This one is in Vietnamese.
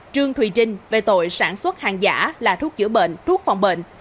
trương thùy trinh về tội sản xuất hàng giả là thuốc chữa bệnh thuốc phòng bệnh